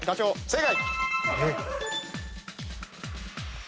正解。